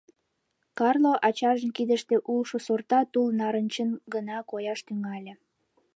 Карло ачажын кидыште улшо сорта тул нарынчын гына кояш тӱҥале.